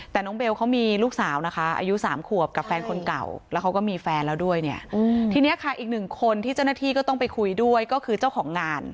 แต่น้องเบลเขามีลูกสาวนะคะอายุ๓ขวบกับแฟนคนเก่าแล้วเขาก็มีแฟนแล้วด้วยเนี่ยทีนี้ค่ะอีกหนึ่งคนที่เจ้าหน้าที่ก็ต้องไปคุยด้วยก็คือเจ้าของงาน